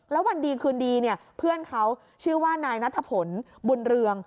แล้ววันดีคืนดีเนี่ยเพื่อนเขาชื่อว่านายนัทพลบุญเรือง